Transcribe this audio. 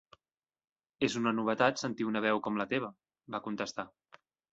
'És una novetat sentir una veu com la teva', va contestar.